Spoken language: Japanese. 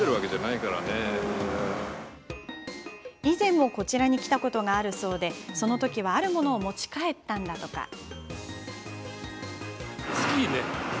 以前もこちらに来たことがあるそうでそのときはあるものを持ち帰ったんだとか。